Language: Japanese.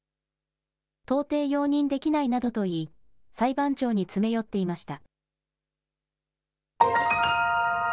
到底容認できないなどと言い裁判長に詰め寄っていました。